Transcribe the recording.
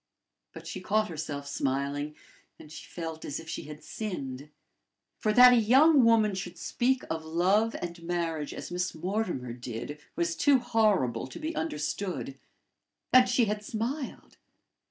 But she caught herself smiling, and she felt as if she had sinned. For that a young woman should speak of love and marriage as Miss Mortimer did, was too horrible to be understood and she had smiled!